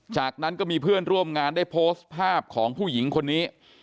จากนั้นก็มีเพื่อนร่วมงานได้โพสต์ภาพของผู้หญิงคนนี้